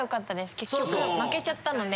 結局負けちゃったので。